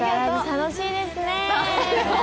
楽しいですね？